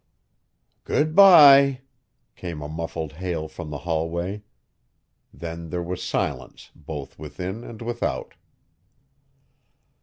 "Good by," came a muffled hail from the hallway. Then there was silence both within and without.